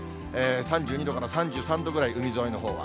３２度から３３度ぐらい、海沿いのほうは。